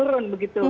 terus menurun begitu